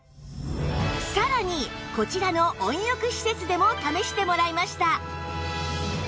さらにこちらの温浴施設でも試してもらいました